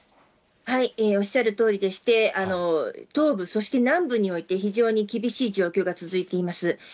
おっしゃるとおりでして、東部、そして南部において、非常に厳しい状況が続いています。